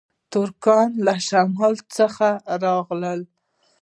ترکان له شمال څخه راغلل